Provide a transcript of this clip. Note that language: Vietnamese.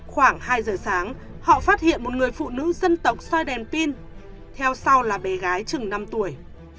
khoảng hai giờ sáng họ phát hiện một người phụ nữ dân tộc soi đèn pin theo sau là bé gái chừng năm tuổi